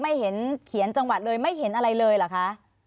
ไม่เห็นเขียนจังหวัดเลยไม่เห็นอะไรเลยเหรอคะ